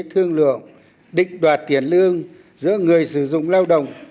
thương lượng định đoạt tiền lương giữa người sử dụng lao động